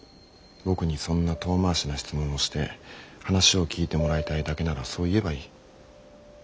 僕にそんな遠回しな質問をして話を聞いてもらいたいだけならそう言えばいい。